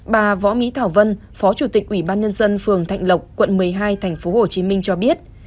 bà võ mỹ thảo vân phó chủ tịch ủy ban nhân dân phường thạnh lộc quận một mươi hai tp hcm cho biết